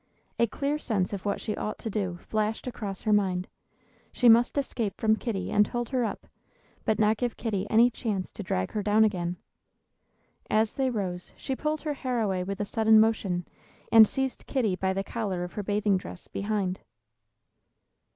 A clear sense of what she ought to do flashed across her mind. She must escape from Kitty and hold her up, but not give Kitty any chance to drag her down again. As they rose, she pulled her hair away with a sudden motion, and seized Kitty by the collar of her bathing dress, behind.